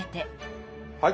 はい。